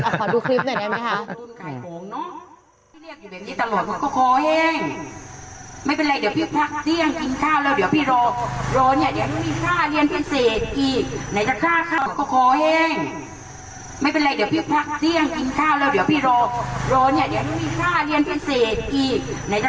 ขอดูคลิปหน่อยได้ไหมคะ